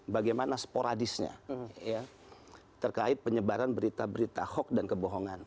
bagaimana sporadisnya terkait penyebaran berita berita hoax dan kebohongan